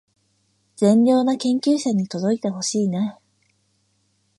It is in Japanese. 善良な研究者に届いてほしいねー